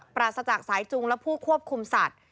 ปราศจากสายจุงและผู้ควบคุมสัตว์